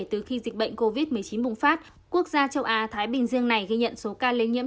từ khi dịch bệnh covid một mươi chín bùng phát quốc gia châu á thái bình dương này ghi nhận số ca lây nhiễm